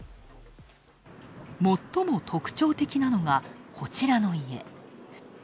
最も特徴的なのが、こちらの家。